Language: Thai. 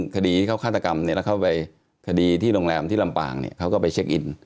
คดีเขาฆาตกรรมเนี่ยแล้วเขาไปคดีที่โรงแรมที่ลำปางเนี่ยเขาก็ไปเช็คอิน